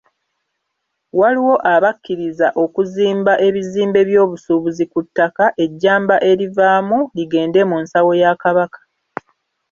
Waliwo abakkirizza okuzimba ebizimbe by’obusuubuzi ku ttaka, ejjamba erivaamu ligende mu nsawo ya Kabaka.